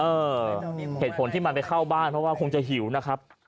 เหตุผลที่มันไปเข้าบ้านเพราะว่าคงจะหิวนะครับ